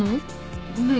ごめん。